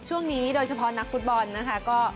ช่วงนี้โดยเฉพาะนักฟุตบอลนะคะก็